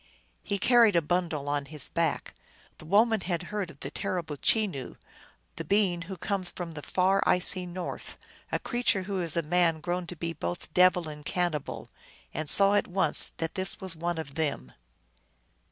He carried a bundle on his back. The woman had heard of the terrible Chenoo, the being who comes from the far, icy north, a creature who is a man grown to be both devil and cannibal, and saw at once that this was one of them.